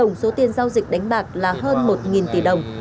giao dịch đánh bạc là hơn một tỷ đồng